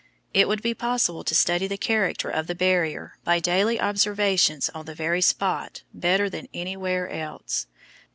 It would be possible to study the character of the Barrier by daily observations on the very spot better than anywhere else.